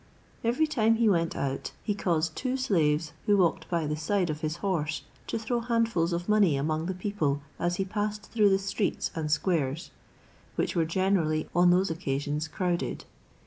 Every time he went out, he caused two slaves, who walked by the side of his horse, to throw handfuls of money among the people as he passed through the streets and squares, which were generally on those occasions crowded.